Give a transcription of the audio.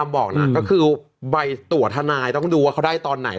ใบตัวถนายต้องดูว่าเขาได้ตอนไหน